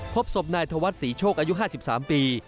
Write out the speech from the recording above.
พบศพนายธวัฒนศรีโชคอายุ๕๓ปี